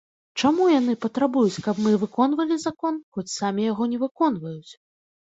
Чаму яны патрабуюць, каб мы выконвалі закон, хоць самі яго не выконваюць?